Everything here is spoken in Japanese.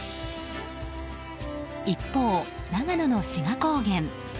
一方、長野の志賀高原。